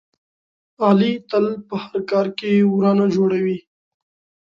علي تل په هر کار کې ورانه جوړوي.